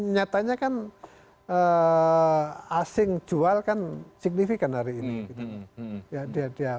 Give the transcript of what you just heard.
nyatanya kan asing jual kan signifikan hari ini